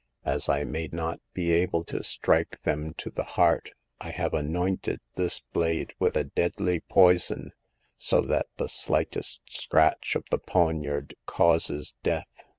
As I may not be able to strike them to the heart, I have anointed this blade with a deadly poison, so that the slightest scratch of the poniard causes death.